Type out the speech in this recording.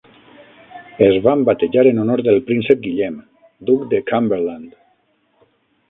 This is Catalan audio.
Es van batejar en honor del príncep Guillem, duc de Cumberland.